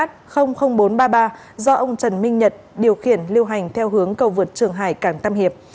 do ông trần minh nhật điều khiển liêu hành theo hướng cầu vượt trường hải cảng tam hiệp